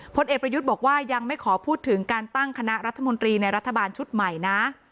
พลเอกประยุทธ์บอกว่ายังไม่ขอพูดถึงการตั้งคณะรัฐมนตรีในรัฐบาลชุดใหม่นะ